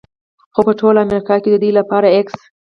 خو په ټول امریکا کې د دوی لپاره x